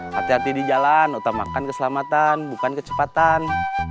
hati hati di jalan utamakan keselamatan bukan kecepatan